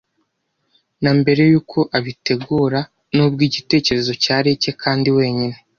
na mbere yuko abitegura, nubwo igitekerezo cyari icye kandi wenyine.